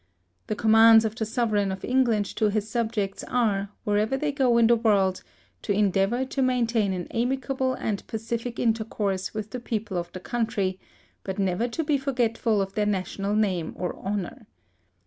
The commands of the Sovereign of England to his subjects are, wherever they go in the world, to endeavour to maintain an amicable and pacific intercourse with the people of the country, but never to be forgetful of their national name or honor.